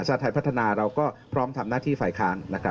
ชาติไทยพัฒนาเราก็พร้อมทำหน้าที่ฝ่ายค้านนะครับ